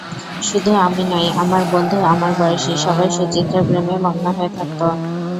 শুধু আমি নই, আমার বন্ধু, আমার বয়সী—সবাই সুচিত্রার প্রেমে মগ্ন হয়ে থাকত।